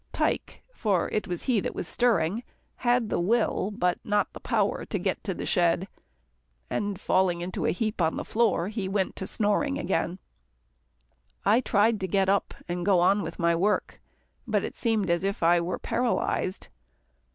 Tike, for it was he that was stirring, had the will, but not the power to get to the shed, and falling in a heap on the floor, he went to snoring. I tried to get up, and go on with my work, but it seemed as if I were paralysed.